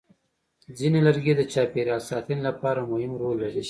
ځینې لرګي د چاپېریال ساتنې لپاره مهم رول لري.